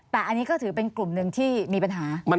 แต่อันนี้ก็ถือเป็นกลุ่มหนึ่งที่มีปัญหา